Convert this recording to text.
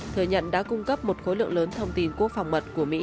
thừa nhận đã cung cấp một khối lượng lớn thông tin quốc phòng mật của mỹ